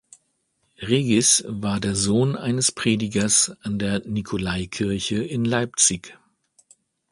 Regis war der Sohn eines Predigers an der Nikolaikirche in Leipzig.